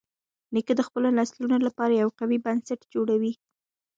نیکه د خپلو نسلونو لپاره یو قوي بنسټ جوړوي.